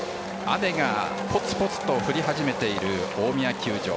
雨がぽつぽつと降り始めている大宮球場。